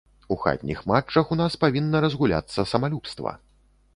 У хатніх матчах ў нас павінна разгуляцца самалюбства.